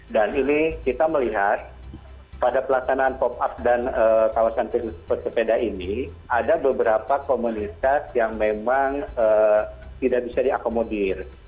dan ini kita melihat pada pelaksanaan pop up dan kawasan putus sepeda ini ada beberapa komunitas yang memang tidak bisa diakomodir